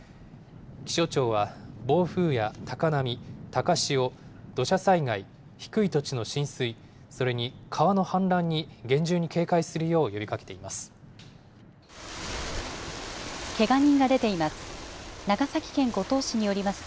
気象庁は暴風や高波、高潮、土砂災害、低い土地の浸水、それに川の氾濫に厳重に警戒するよう呼びかけてけが人が出ています。